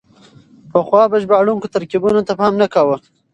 پخوا به ژباړونکو ترکيبونو ته پام نه کاوه.